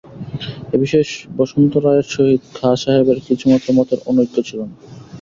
এ-বিষয়ে বসন্ত রায়ের সহিত খাঁ সাহেবের কিছুমাত্র মতের অনৈক্য ছিল না।